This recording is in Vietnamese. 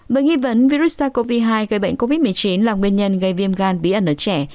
với nghi vấn virus sars cov hai gây bệnh covid một mươi chín là nguyên nhân gây viêm gan bí ẩn ở trẻ